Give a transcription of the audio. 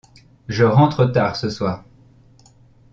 Je rentre tard ce soir.